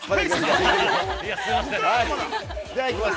◆じゃあ、行きます。